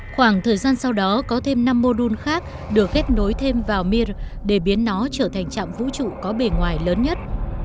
khoảng thời gian sau đó có thêm năm mô đun khác được ghép nối thêm vào mier để biến nó trở thành trạm vũ trụ có bề ngoài lớn nhất